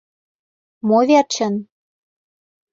Мо верчын?